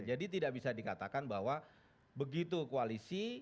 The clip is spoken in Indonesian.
jadi tidak bisa dikatakan bahwa begitu koalisi